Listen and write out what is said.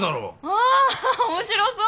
ああ面白そう！